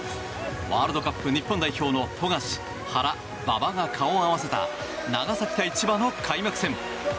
ワールドカップ日本代表の富樫、原、馬場が顔を合わせた長崎対千葉の開幕戦。